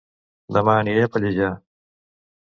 Dema aniré a Pallejà